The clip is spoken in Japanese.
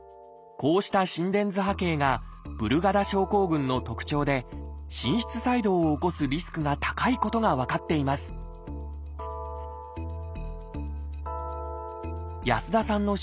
こうした心電図波形がブルガダ症候群の特徴で心室細動を起こすリスクが高いことが分かっています安田さんの主治医